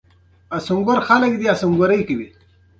سیندونه د افغان نجونو د پرمختګ لپاره فرصتونه برابروي.